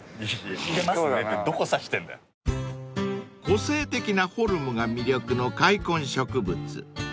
［個性的なフォルムが魅力の塊根植物］